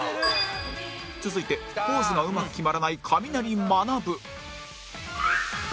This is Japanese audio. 続いてポーズがうまく決まらないカミナリまなぶ